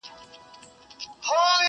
• کلي ورو ورو ارامېږي.